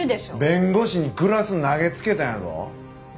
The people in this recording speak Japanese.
弁護士にグラス投げつけたんやぞ。